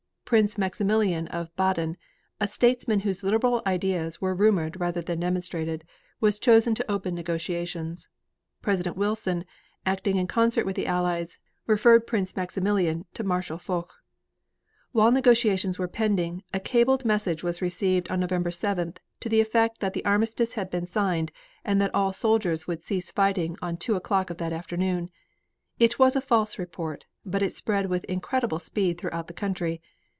Prince Maximilian of Baden, a statesman whose liberal ideas were rumored rather than demonstrated, was chosen to open negotiations. President Wilson, acting in concert with the Allies, referred Prince Maximilian to Marshal Foch. While negotiations were pending, a cabled message was received on November 7th to the effect that the armistice had been signed and that all soldiers would cease fighting on two o'clock of that afternoon. It was a false report, but it spread with incredible speed throughout the country.